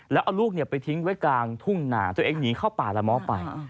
แล้วเอาลูกไปทิ้งไว้กลางทุ่งหนาตัวเองหนีเข้าป่าละม้อไป